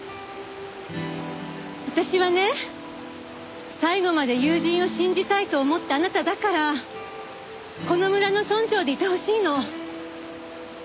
私はね最後まで友人を信じたいと思ったあなただからこの村の村長でいてほしいの。